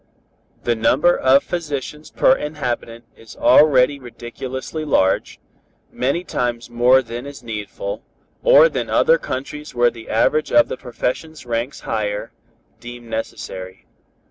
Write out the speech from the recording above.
"The number of physicians per inhabitant is already ridiculously large, many times more than is needful, or than other countries where the average of the professions ranks higher, deem necessary.